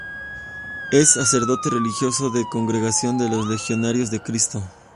Es sacerdote religioso de Congregación de los Legionarios de Cristo.